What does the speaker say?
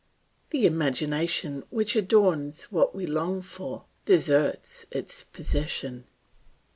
The imagination which adorns what we long for, deserts its possession.